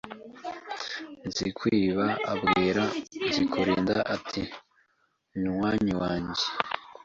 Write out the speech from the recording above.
Nzikwiba abwira Nzikurinda ati Munywanyi wanjye